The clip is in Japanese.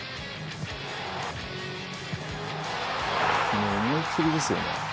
もう、思い切りですよね。